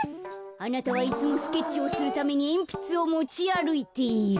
あなたはいつもスケッチをするためにえんぴつをもちあるいている。